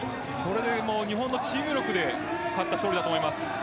日本のチーム力で勝った勝利だと思います。